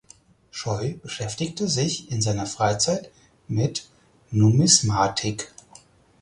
Scheu beschäftigte sich in seiner Freizeit mit Numismatik.